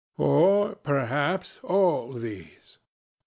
Or, perhaps, all these?